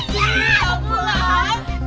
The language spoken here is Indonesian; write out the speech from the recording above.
ya ampun nek